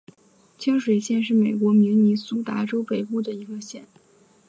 清水县是美国明尼苏达州北部的一个县。